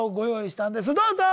どうぞ！